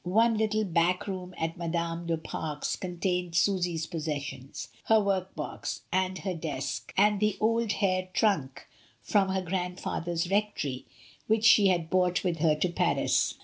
One little back room at Madame du Fare's con tained Susy's possessions — her work box, and her desk, and the old hair trunk from her grandfather's rectory, which she had brought with her to Paris.